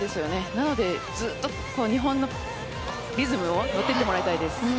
なのでずっと日本のリズムに乗っていてもらいたいです。